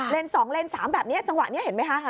๒เลน๓แบบนี้จังหวะนี้เห็นไหมคะ